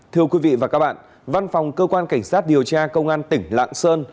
thưa quý vị và các bạn văn phòng cơ quan cảnh sát điều tra công an tỉnh lạng sơn